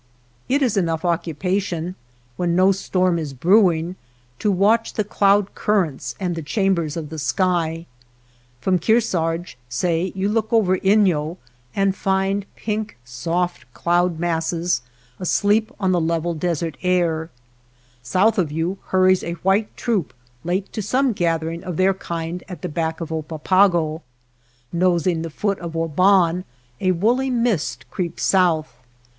It is enough occupation, when no storm is brewing, to watch the cloud currents and the chambers of the sky. From Kearsarge, say, you look over Inyo and find pink soft cloud masses asleep on the level desert air; south of you hurries a white troop late to some gathering of their kind at the back of Oppapago; nosing the foot of Waban, a woolly mist creeps south.